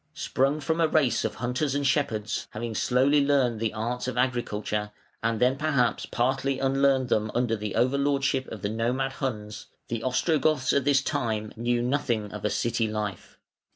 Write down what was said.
Sprung from a race of hunters and shepherds, having slowly learned the arts of agriculture, and then perhaps partly unlearned them under the over lordship of the nomad Huns, the Ostrogoths at this time knew nothing of a city life.